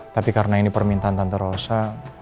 tapi karena ini permintaan tante rosa